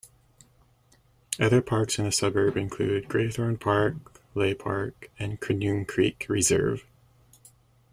Other parks in the suburb include Greythorn Park, Leigh Park and Koonung Creek Reserve.